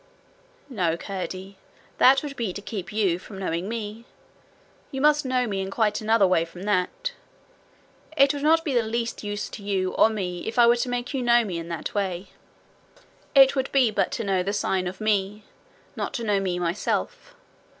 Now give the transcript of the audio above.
'No, Curdie; that would be to keep you from knowing me. You must know me in quite another way from that. It would not be the least use to you or me either if I were to make you know me in that way. It would be but to know the sign of Me not to know me myself.